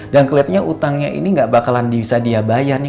dan kelihatannya utangnya ini gak bakalan bisa dia bayar nih